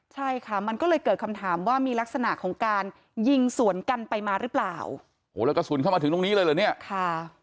ใช่ค่ะมันก็เลยเกิดคำถามว่ามีลักษณะของการยิงสวนกันไปมาหรือเปล่าโหแล้วกระสุนเข้ามาถึงตรงนี้เลยเหรอเนี่ยค่ะ